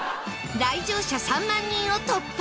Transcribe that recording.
来場者３万人を突破！